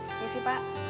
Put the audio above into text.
ini sih pak